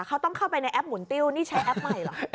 เขาต้องเข้าไปในแอปหมุนติ้วนี่ใช้แอปใหม่เหรอ